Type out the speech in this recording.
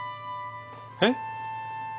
えっ？